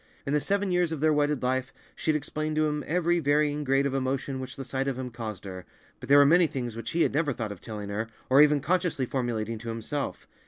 In the seven years of their wedded life she had explained to him every varying grade of emotion which the sight of him caused her, but there were many things which he had never thought of telling her, or even consciously formulating to himself.